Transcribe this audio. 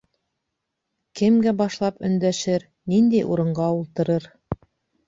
Кемгә башлап өндәшер, ниндәй урынға ултырыр?